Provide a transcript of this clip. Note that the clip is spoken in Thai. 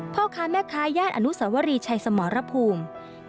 พ่อค้าแม่ค้าย่านอนุสวรีชัยสมรภูมิ